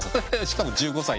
しかも１５歳。